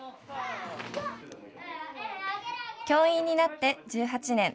教員になって１８年。